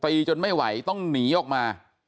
จนไม่ไหวต้องหนีออกมา